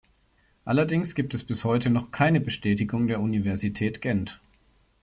Allerdings gibt es bis heute noch keine Bestätigung der Universität Gent.